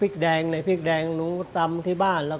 กล่าวค้านถึงกุ้ยเตี๋ยวลุกชิ้นหมูฝีมือลุงส่งมาจนถึงทุกวันนี้นั่นเองค่ะ